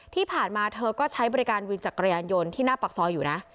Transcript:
ที่ผ่านมาเธอก็ใช้บริการวินจักรยานยนต์ที่หน้าปากซอยอยู่นะ